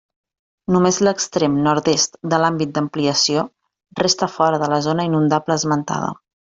Només l'extrem nord-est de l'àmbit d'ampliació resta fora de la zona inundable esmentada.